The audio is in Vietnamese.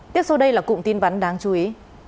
tiếp sau đây là cụm tin vắn đáng chú ý